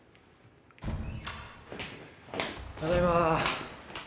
・ただいま。